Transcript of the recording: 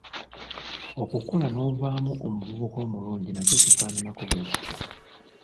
Okukula n'ovaamu omuvubuka omulungi nakyo kifaananako bwe kityo.